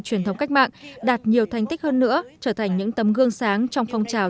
truyền thống cách mạng đạt nhiều thành tích hơn nữa trở thành những tấm gương sáng trong phong trào